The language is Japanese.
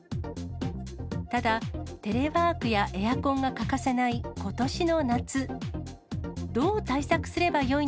ただ、テレワークやエアコンが欠かせないことしの夏。